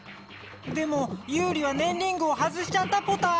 でもユウリはねんリングを外しちゃったポタ。